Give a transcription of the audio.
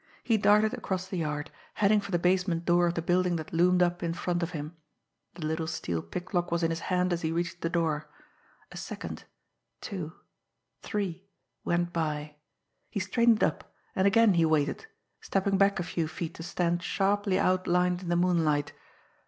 He darted across the yard, heading for the basement door of the building that loomed up in front of him. The little steel picklock was in his hand as he reached the door. A second two three went by. He straightened up and again he waited stepping back a few feet to stand sharply outlined in the moonlight.